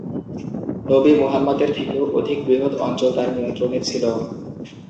নবী মুহাম্মাদের থেকেও অধিক বৃহৎ অঞ্চল তার নিয়ন্ত্রণে ছিল।